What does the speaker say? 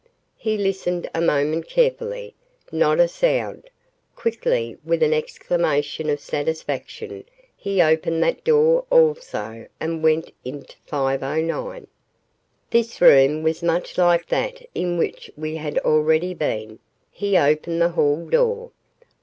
He listened a moment carefully. Not a sound. Quickly, with an exclamation of satisfaction, he opened that door also and went into 509. This room was much like that in which we had already been. He opened the hall door.